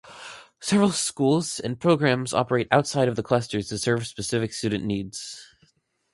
Several schools and programs operate outside of the clusters to serve specific student needs.